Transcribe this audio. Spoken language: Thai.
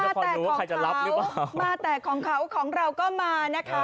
มาแต่ของเขามาแต่ของเขาของเราก็มานะคะ